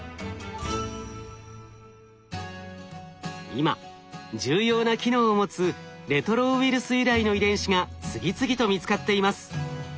今重要な機能を持つレトロウイルス由来の遺伝子が次々と見つかっています。